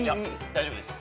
大丈夫です。